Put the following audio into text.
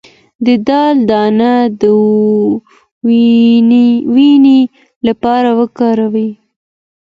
د دال دانه د وینې لپاره وکاروئ